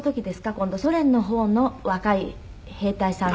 今度ソ連の方の若い兵隊さんが。